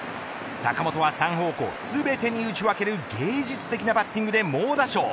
坂本は３方向全てに打ち分ける芸術的なバッティングで猛打賞。